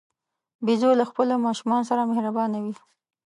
بیزو له خپلو ماشومانو سره مهربانه وي.